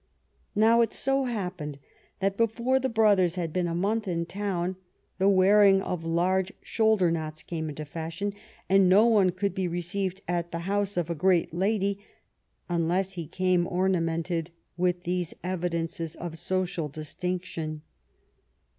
Now it so happened that before the brothers had been a month in town the wearing of large shoulder knots came into fashion, and no one could be received at the house of a great lady unless he came ornamented with these evidences of social distinction.